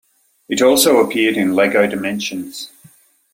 It also appeared in Lego Dimensions.